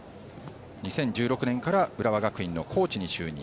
２０１６年から浦和学院のコーチに就任。